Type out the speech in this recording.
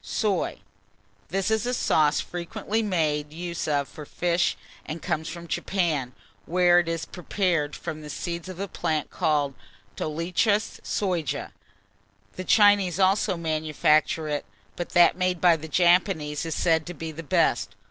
] SOY. This is a sauce frequently made use of for fish, and comes from Japan, where it is prepared from the seeds of a plant called Dolichos Soja. The Chinese also manufacture it; but that made by the Japanese is said to be the best.